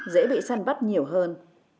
dễ bị săn bắt nhiều hơn